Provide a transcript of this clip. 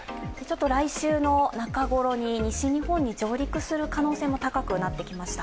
来週の中頃に西日本に上陸する可能性も高くなってきました。